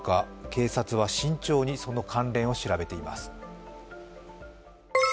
警察は慎重にその関連を調べています。